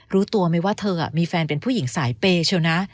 รู้ตัวไหมว่าเธอมีแฟนเป็นผู้หญิงสายเปย์เชียวนะ